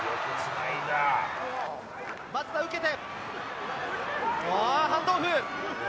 松田、受けて、ハンドオフ。